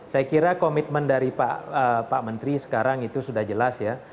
saya kira komitmen dari pak menteri sekarang itu sudah jelas ya